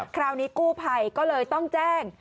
คราวนี้กู้ภัยก็เลยต้องแจ้ง